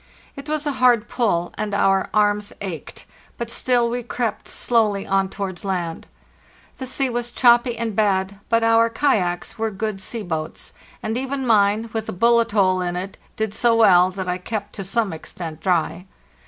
It was a hard pull, and our arms ached; but still we crept slowly on towards land. The sea was choppy and bad, but our kayaks were good sea boats; and even mine, with the bullet hole in it, did so well that I kept to some extent dry.